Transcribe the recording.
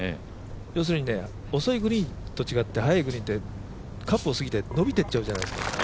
要するに、遅いグリーンと違って速いグリーンってカップを過ぎていっちゃうじゃないですか。